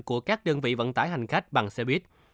của các đơn vị vận tải hành khách bằng xe buýt